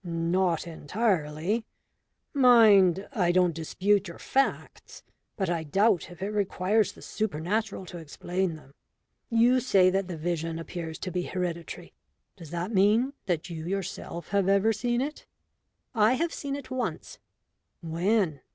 "Not entirely. Mind, I don't dispute your facts, but I doubt if it requires the supernatural to explain them. You say that the vision appears to be hereditary. Does that mean that you yourself have ever seen it?" "I have seen it once." "When?"